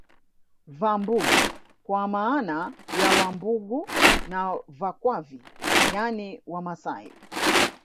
Vambughu kwa maana ya Wambugu na Vakwavi yani Wamasai